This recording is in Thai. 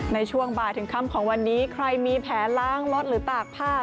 ในช่วงบ่ายถึงค่ำของวันนี้ใครมีแผลล้างรถหรือตากผ้า